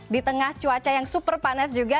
di tengah cuaca yang super panas juga